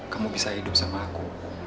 kamu bisa hidup sama aku